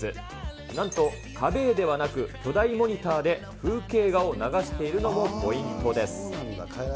なんと、壁絵ではなく、巨大モニターで風景画を流しているのもポイントです。